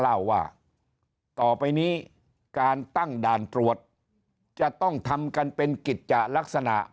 เล่าว่าต่อไปนี้การตั้งด่านตรวจจะต้องทำกันเป็นกิจจะลักษณะ